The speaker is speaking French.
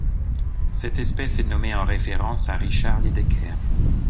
Cette espèce est nommée en référence à Richard Lydekker.